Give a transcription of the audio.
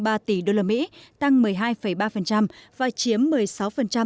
và chiếm một mươi sáu tổng kim ngạch xuất nhập khẩu của cả nước